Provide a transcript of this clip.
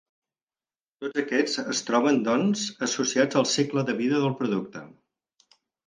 Tots aquests es troben, doncs, associats al cicle de vida del producte.